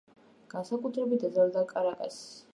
განსაკუთრებით დაზარალდა კარაკასი.